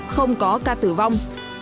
không có ca tử vong